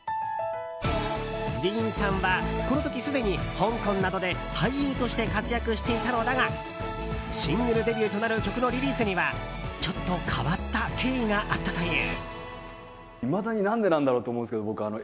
ディーンさんは、この時すでに香港などで俳優として活躍していたのだがシングルデビューとなる曲のリリースにはちょっと変わった経緯があったという。